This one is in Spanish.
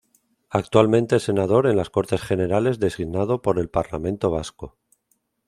Actualmente es senador en las Cortes Generales designado por el Parlamento Vasco.